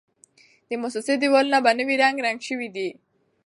د موسسې دېوالونه په نوي رنګ رنګ شوي دي.